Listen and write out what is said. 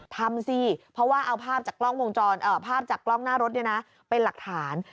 ทำสิเพราะว่าเอาภาพจากภาพจากกล้องหน้ารถเป็นหลักฐาน